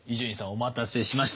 お待たせしました。